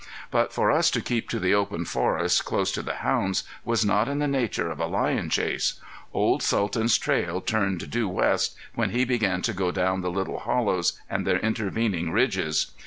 But for us to keep to the open forest, close to the hounds, was not in the nature of a lion chase. Old Sultan's trail turned due west when he began to go down the little hollows and their intervening ridges.